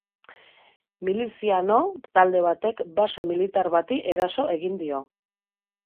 Miliziano talde batek base militar bati eraso egin dio.